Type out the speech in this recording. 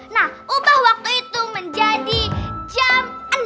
nah ubah waktu itu menjadi jam enam